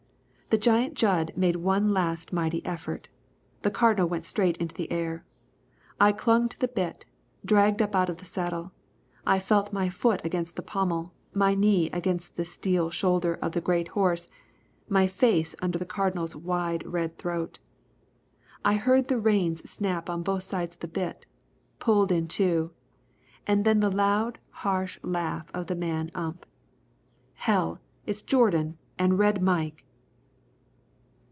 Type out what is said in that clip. The giant Jud made one last mighty effort. The Cardinal went straight into the air. I clung to the bit, dragged up out of the saddle. I felt my foot against the pommel, my knee against the steel shoulder of the great horse, my face under the Cardinal's wide red throat. I heard the reins snap on both sides of the bit pulled in two. And then the loud, harsh laugh of the man Ump. "Hell! It's Jourdan an' Red Mike."